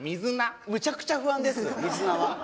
むちゃくちゃ不安です水菜は。